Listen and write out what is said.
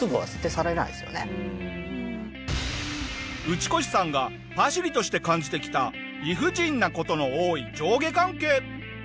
ウチコシさんがパシリとして感じてきた理不尽な事の多い上下関係。